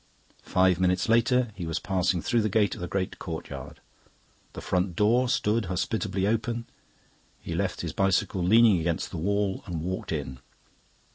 Five minutes later he was passing through the gate of the great courtyard. The front door stood hospitably open. He left his bicycle leaning against the wall and walked in.